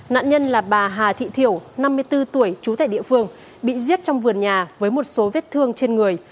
nạn nhân là bà hà thị thiểu năm mươi bốn tuổi chú tại địa phương bị giết trong vườn nhà với một số vết thương trên người